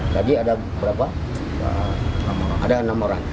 tadi ada berapa ada enam orang